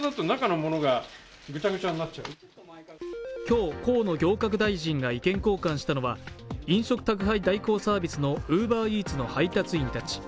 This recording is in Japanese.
今日、河野行革大臣が意見交換したのは、飲食宅配代行サービスのＵｂｅｒＥａｔｓの配達員たち。